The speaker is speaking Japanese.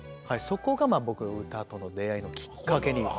そこが僕の歌との出会いのきっかけに。